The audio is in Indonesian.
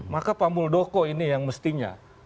maka pamuldoko ini yang mestinya